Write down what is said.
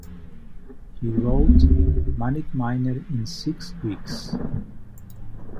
He wrote "Manic Miner" in six weeks.